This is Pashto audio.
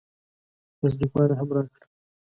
تصدیق پاڼه یې هم راکړه.